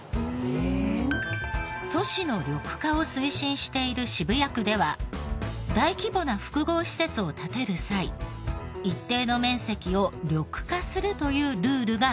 都市の緑化を推進している渋谷区では大規模な複合施設を建てる際一定の面積を緑化するというルールがあります。